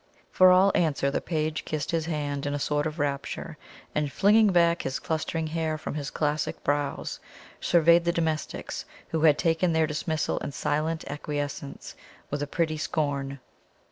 For all answer the page kissed his hand in a sort of rapture, and flinging back his clustering hair from his classic brows, surveyed the domestics, who had taken their dismissal in silent acquiescence, with a pretty scorn.